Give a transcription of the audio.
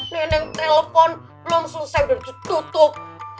neneng telepon langsung save dan tutup